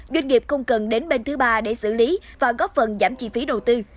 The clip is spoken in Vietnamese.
doanh nghiệp không cần đến bên thứ ba để xử lý và góp phần giảm chi phí đầu tư